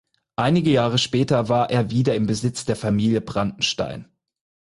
Einige Jahre später war es wieder im Besitz der Familie Brandenstein.